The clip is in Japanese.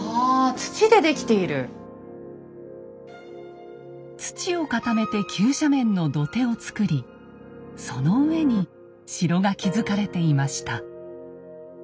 土を固めて急斜面の土手をつくりその上に城が築かれていました。